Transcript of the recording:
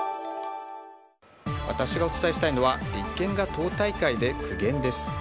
私がお伝えしたいのは立憲が党大会で苦言です。